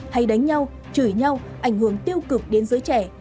hay đánh nhau chửi nhau ảnh hưởng tiêu cực đến giới trẻ